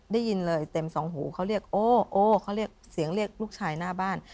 ได้ยินเลยเต็มสองหูเขาเรียกโอโอ้เขาเรียกเสียงเรียกลูกชายหน้าบ้าน